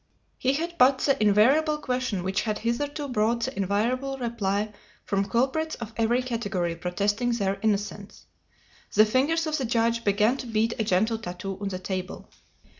He had put the invariable question which had hitherto brought the invariable reply from culprits of every category protesting their innocence. The fingers of the judge began to beat a gentle tattoo on the table.